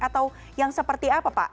atau yang seperti apa pak